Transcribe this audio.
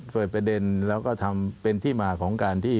เปิดประเด็นแล้วก็ทำเป็นที่มาของการที่